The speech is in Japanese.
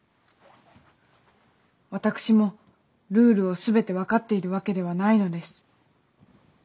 私もルールを全て分かっているわけではないのです。